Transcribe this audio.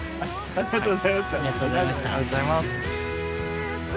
ありがとうございます。